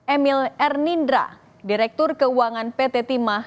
emil ernindra direktur keuangan pt timah dua ribu delapan belas